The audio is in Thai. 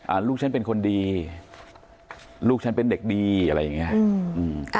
ลูกฉันเป็นคนดีลูกฉันเป็นเด็กดีอะไรอย่างเงี้ยอืมอืม